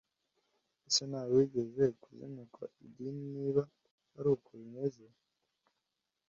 ese nawe wigeze kuzinukwa idini niba ari uko bimeze